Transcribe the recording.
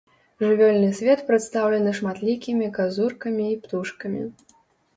Жывёльны свет прадстаўлены шматлікімі казуркамі і птушкамі.